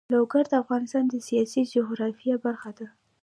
لوگر د افغانستان د سیاسي جغرافیه برخه ده.